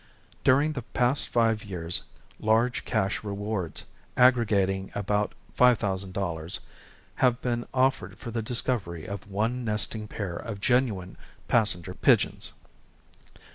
During the past five years large cash rewards, aggregating about $5000, have been offered for the discovery of one nesting pair of genuine passenger pigeons.